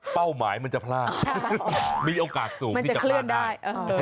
เป้าหมายมันจะพลาดมีโอกาสสูงที่จะพลาดได้